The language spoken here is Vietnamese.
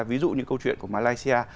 ví dụ như câu chuyện của malaysia